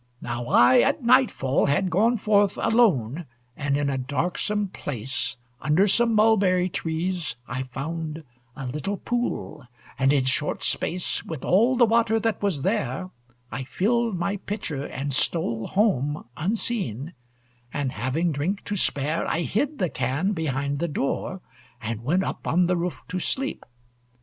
"Now I at nightfall had gone forth Alone, and in a darksome place Under some mulberry trees I found A little pool; and in short space With all the water that was there I filled my pitcher, and stole home Unseen; and having drink to spare, I hid the can behind the door, And went up on the roof to sleep.